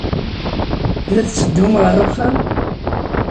La tetteddum ɣer uxxam?